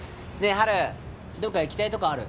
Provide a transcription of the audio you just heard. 陽どっか行きたいとこある？